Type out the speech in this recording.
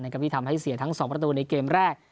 ที่ทำให้เสียทั้ง๒ประตูในเกมแรก